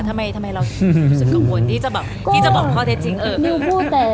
เราจะรู้สึกกังวลที่จะบอกข้อเท็จจริง